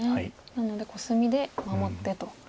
なのでコスミで守ってと。